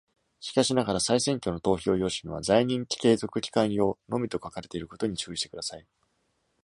しかしながら、再選挙の投票用紙には、「在任継続期間用」のみと書かれていることに注意してください。